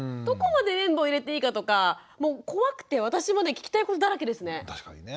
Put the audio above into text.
どこまで綿棒を入れていいかとか怖くて私も聞きたいことだらけですね。